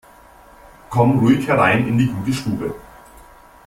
Kommt ruhig herein in die gute Stube!